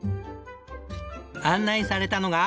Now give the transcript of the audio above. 案内されたのが。